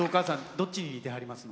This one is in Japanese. どっちに似てはりますの？